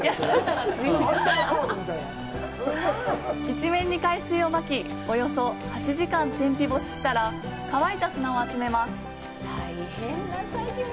一面に海水をまき、およそ８時間、天日干ししたら乾いた砂を集めます。